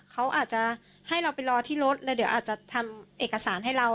เขาอาจจะให้เราไปรอที่รถแล้วเดี๋ยวอาจจะทำเอกสารให้เรา